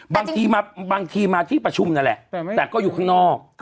บางทีมาที่ประชุมนั่นแหละแต่ก็อยู่ข้างนอก